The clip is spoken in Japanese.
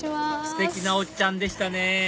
ステキなおっちゃんでしたね